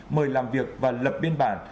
mời làm việc và lập biên bản